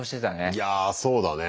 いやそうだね。